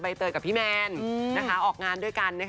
เตยกับพี่แมนออกงานด้วยกันนะคะ